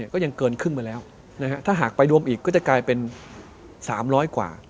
ก็ยังเกินครึ่งมาแล้วนะฮะถ้าหากไปรวมอีกก็จะกลายเป็น๓๐๐กว่า